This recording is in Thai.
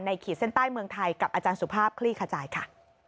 ขีดเส้นใต้เมืองไทยกับอาจารย์สุภาพคลี่ขจายค่ะ